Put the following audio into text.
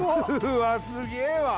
うわすげぇわ！